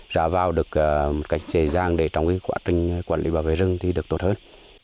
rả vào được cảnh xe giang để trong quá trình quản lý bảo vệ rừng thì được tốt hơn